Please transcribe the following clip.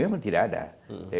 memang tidak ada